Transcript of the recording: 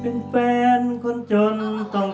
เป็นแฟนคนจนต้องทนหน่อยน้อง